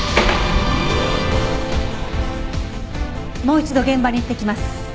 もう一度現場に行ってきます。